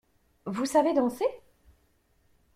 Vous savez danser?